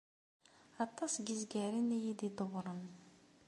Aṭas n yizgaren i iyi-d-idewwren.